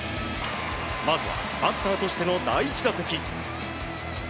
まずはバッターとしての第１打席。